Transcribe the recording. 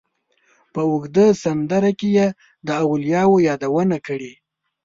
په اوږده سندره کې یې د اولیاوو یادونه کړې.